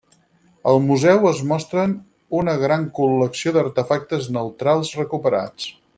Al museu es mostren una gran col·lecció d'artefactes neutrals recuperats.